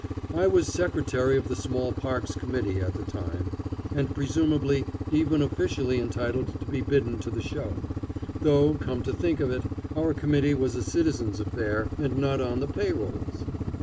I was Secretary of the Small Parks Committee at the time, and presumably even officially entitled to be bidden to the show; though, come to think of it, our committee was a citizens' affair and not on the pay rolls!